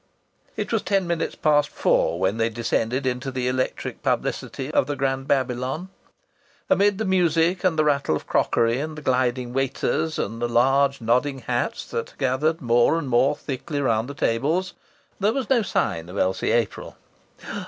It was ten minutes past four when they descended into the electric publicity of the Grand Babylon. Amid the music and the rattle of crockery and the gliding waiters and the large nodding hats that gathered more and more thickly round the tables, there was no sign of Elsie April.